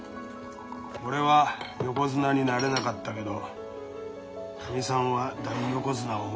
俺は横綱になれなかったけどかみさんは大横綱をもらったよ。